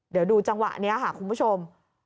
เดี๋ยวดูจังหวะนี้ค่ะคุณผู้ชม